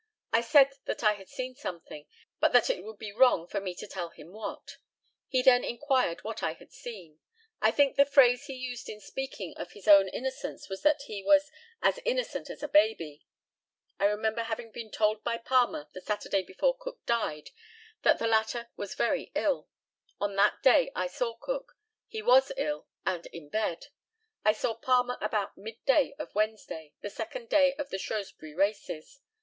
I said that I had seen something, but that it would be wrong for me to tell him what. He then inquired what I had seen. I think the phrase he used in speaking of his own innocence was that he was "as innocent as a baby." I remember having been told by Palmer, the Saturday before Cook died, that the latter was very ill. On that day I saw Cook. He was ill and in bed. I saw Palmer about midday of Wednesday, the second day of the Shrewsbury races.